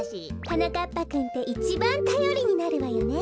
はなかっぱくんっていちばんたよりになるわよね。